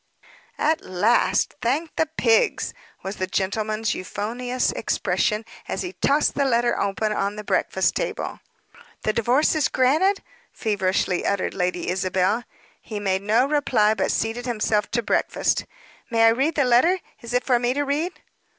"At last, thank the pigs!" was the gentleman's euphonious expression, as he tossed the letter, open, on the breakfast table. "The divorce is granted!" feverishly uttered Lady Isabel. He made no reply, but seated himself to breakfast. "May I read the letter? Is it for me to read?"